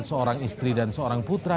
seorang istri dan seorang putra